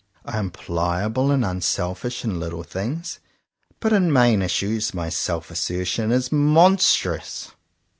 I am pliable and unselfish in little things, but in main issues my self assertion is mon strous.